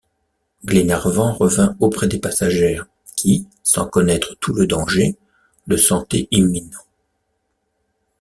Glenarvan revint auprès des passagères, qui, sans connaître tout le danger, le sentaient imminent.